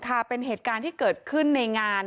ค่ะเป็นเหตุการณ์ที่เกิดขึ้นในงาน